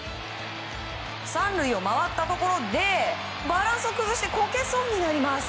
３塁を回ったところでバランスを崩してこけそうになります。